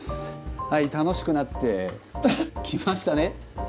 はい楽しくなってきましたね。